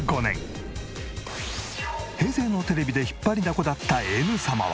平成のテレビで引っ張りだこだったＮ様は。